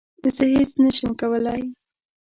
زه هیڅ نه شم کولای